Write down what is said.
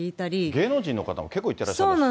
芸能人の方も結構行ってらっしゃいますよね。